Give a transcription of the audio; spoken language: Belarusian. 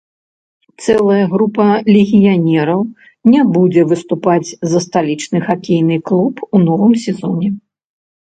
Цэлая група легіянераў не будзе выступаць за сталічны хакейны клуб у новым сезоне.